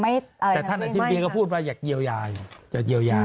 แต่ท่านอธิบดีก็พูดว่าอยากเยียวยาอยู่